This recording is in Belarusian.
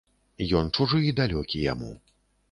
Ён чужы і далёкі яму.